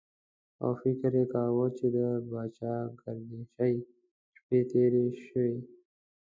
او فکر یې کاوه چې د پاچاګردشۍ شپې تېرې شوې.